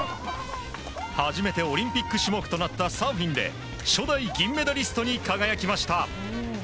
初めてオリンピック種目となったサーフィンで初代銀メダリストに輝きました。